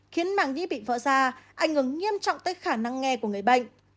khiến mạng gít bị vỡ ra ảnh hưởng nghiêm trọng tới khả năng nghe của người bệnh